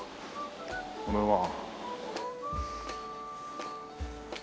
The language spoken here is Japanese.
これは。